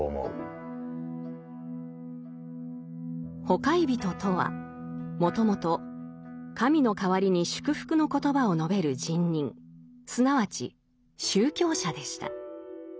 「ほかひゞと」とはもともと神の代わりに祝福の言葉を述べる神人すなわち宗教者でした。